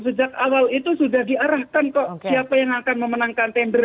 sejak awal itu sudah diarahkan kok siapa yang akan memenangkan tender